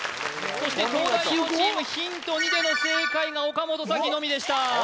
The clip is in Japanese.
そして東大王チームヒント２での正解が岡本沙紀のみでした